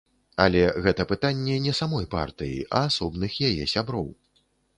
Але гэта пытанне не самой партыі, а асобных яе сяброў.